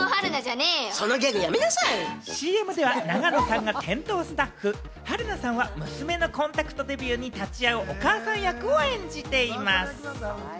ＣＭでは永野さんが店頭スタッフ、春菜さんが娘のコンタクトデビューに立ち会うお母さん役を演じています。